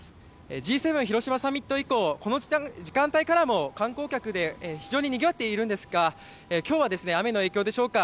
Ｇ７広島サミット以降この時間帯からも観光客で、非常ににぎわっているんですが今日は雨の影響でしょうか。